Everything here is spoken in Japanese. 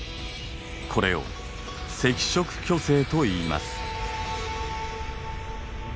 これを赤色巨星といいます。